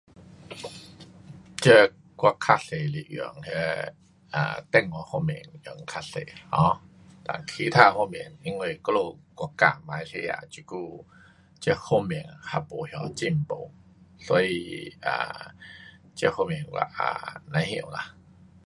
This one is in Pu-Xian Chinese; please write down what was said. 这我较多是用那电话方面用较多 um 其他方面因为我们在马来西亚这方面还没有进步，所以啊这方面啊我也不懂。